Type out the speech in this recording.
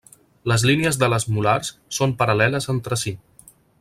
Les línies de les molars són paral·leles entre si.